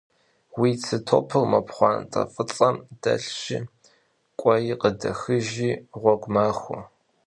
Vui tsı topır mo pxhuante f'ıts'ejım delhşi k'uei khıdexıjji, ğuegu maxue.